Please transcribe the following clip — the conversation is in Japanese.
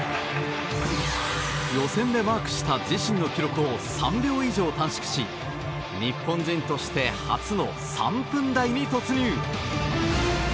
予選でマークした自身の記録を３秒以上短縮し日本人として初の３分台に突入。